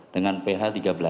dengan ph tiga belas